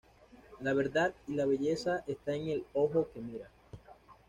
La verdad y la belleza está en el ojo que mira.